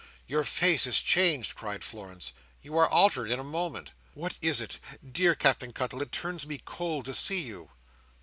"Your face is changed," cried Florence. "You are altered in a moment. What is it? Dear Captain Cuttle, it turns me cold to see you!"